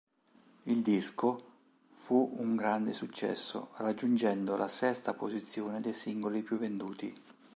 Il disco fu un grande successo, raggiungendo la sesta posizione dei singoli più venduti..